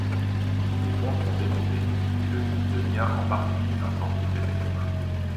Les ponts sont démontés et le site devient en partie un sentier pédestre.